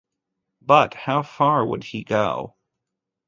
But how far would he go?